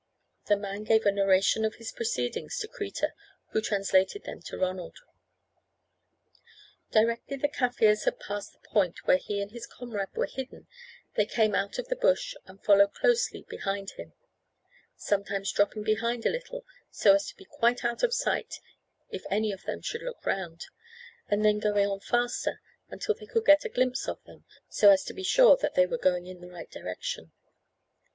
The man gave a narration of his proceedings to Kreta, who translated them to Ronald. Directly the Kaffirs had passed the point where he and his comrade were hidden, they came out of the bush and followed closely behind them, sometimes dropping behind a little so as to be quite out of sight if any of them should look round, and then going on faster until they could get a glimpse of them, so as to be sure that they were going in the right direction.